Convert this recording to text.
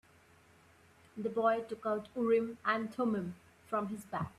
The boy took out Urim and Thummim from his bag.